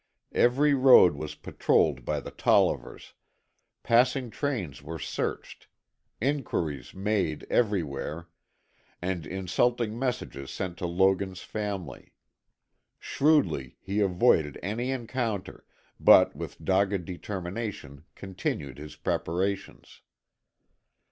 Every road was patrolled by the Tollivers, passing trains were searched, inquiries made everywhere, and insulting messages sent to Logan's family. Shrewdly he avoided any encounter, but with dogged determination continued his preparations.